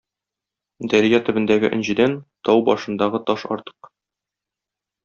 Дәрья төбендәге энҗедән тау башындагы таш артык.